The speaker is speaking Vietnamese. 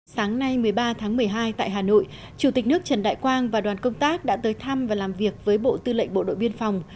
sáng nay một mươi ba tháng một mươi hai tại hà nội chủ tịch nước trần đại quang và đoàn công tác đã tới thăm và làm việc với bộ tư lệnh bộ đội biên phòng